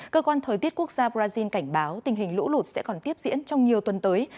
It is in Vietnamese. cơ quan thời tiết quốc gia brazil cảnh báo tình hình lũ lụt sẽ còn tiếp diễn trong nhiều tuần tới